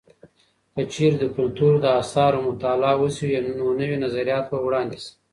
که چیرې د کلتور د اثارو مطالعه وسي، نو نوي نظریات به وړاندې سي.